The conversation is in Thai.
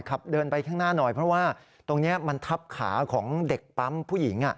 เดินไปข้างหน้าหน่อยเพราะว่าตรงนี้มันทับขาของเด็กปั๊มผู้หญิง